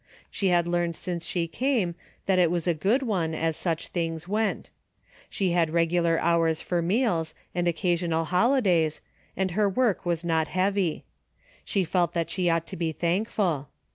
She had learned since she came that it was a good one as such things went. She had regular hours for meals and occasional holidays, and her work was not heavy. She felt that she ought to be thank ful.